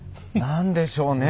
何でしょうね？